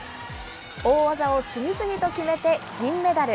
大技を次々と決めて、銀メダル。